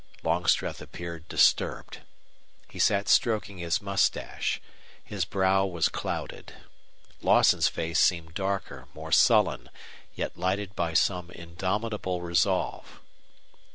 Longstreth appeared disturbed; he sat stroking his mustache; his brow was clouded. Lawson's face seemed darker, more sullen, yet lighted by some indomitable resolve.